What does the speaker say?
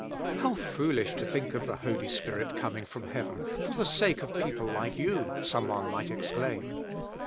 How foolish to think of the Holy Spirit coming from heaven for the sake of people like you I some one might exclaim.